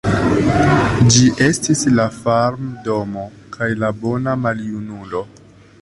Ĝi estis la farmdomo kaj la bona maljunulo.